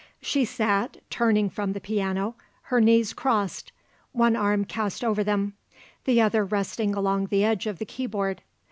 She sat, turning from the piano, her knees crossed, one arm cast over them, the other resting along the edge of the key board.